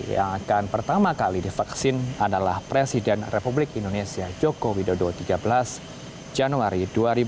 yang akan pertama kali divaksin adalah presiden republik indonesia joko widodo tiga belas januari dua ribu dua puluh